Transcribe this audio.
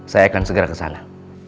saya akan segera kesana